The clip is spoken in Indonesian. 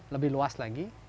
lebih luas lagi